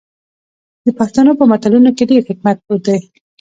د پښتنو په متلونو کې ډیر حکمت پروت دی.